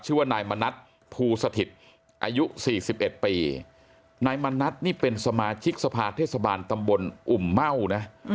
ชื่อว่านายมณัฐภูสถิตอายุสี่สิบเอ็ดปีนายมณัฐนี่เป็นสมาชิกสภาเทศบาลตำบลอุ่มเม่านะ